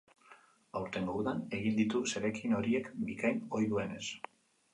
Aurtengo udan egin ditu zeregin horiek, bikain, ohi duenez.